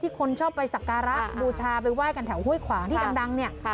คนชอบไปสักการะบูชาไปไห้กันแถวห้วยขวางที่ดังเนี่ย